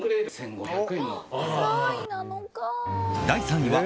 第３位は。